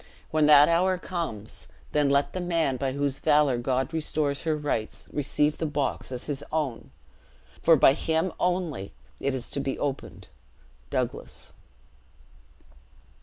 When that hour comes, then let the man by whose valor God restores her rights, receive the box as his own; for by him only it is to be opened. Douglas.'"